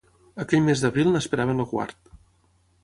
Aquell mes d'abril n'esperaven el quart.